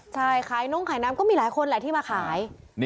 ใช่ขายนงขายน้ำก็มีหลายคนแหละที่มาขาย